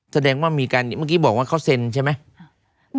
แสดงว่ามีการเมื่อกี้บอกว่าเขาเซ็นใช่ไหม